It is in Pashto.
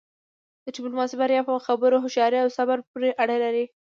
د ډیپلوماسی بریا په خبرو، هوښیارۍ او صبر پورې اړه لری.